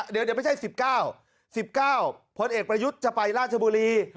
เดี๋ยวไม่ใช่๑๙๑๙พลเอกประยุทธ์จะไปราชบุรี